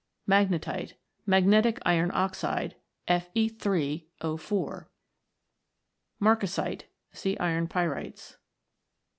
Magnetite. Magnetic iron oxide, Fe 3 4 . Marcasite. See Iron Pyrites.